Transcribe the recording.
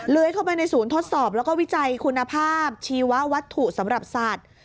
เข้าไปในศูนย์ทดสอบแล้วก็วิจัยคุณภาพชีวัตถุสำหรับสัตว์